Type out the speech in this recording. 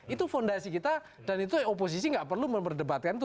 itu fondasi kita dan itu oposisi nggak perlu memperdebatkan itu